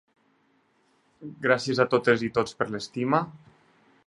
Gràcies a totes i tots per l'estima.